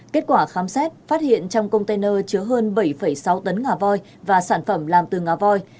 kết quả khám xét phát hiện trong container chứa hơn bảy sáu tấn ngà voi và sản phẩm làm từ ngà voi